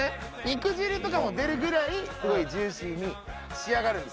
肉汁とかも出るぐらいジューシーに仕上がるんです